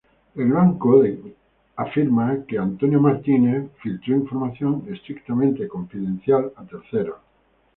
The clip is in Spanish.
El banco reclama que Frank Roth filtró información estrictamente confidencial a terceros.